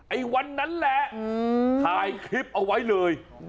วันนั้นแหละถ่ายคลิปเอาไว้เลย